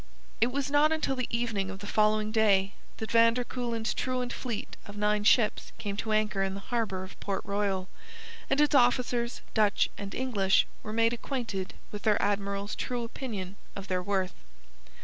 It was not until the evening of the following day that van der Kuylen's truant fleet of nine ships came to anchor in the harbour of Port Royal, and its officers, Dutch and English, were made acquainted with their Admiral's true opinion of their worth.